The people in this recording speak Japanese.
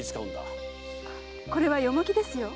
これはヨモギですよ。